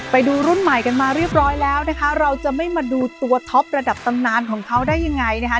ไปดูรุ่นใหม่กันมาเรียบร้อยแล้วนะคะเราจะไม่มาดูตัวท็อประดับตำนานของเขาได้ยังไงนะคะ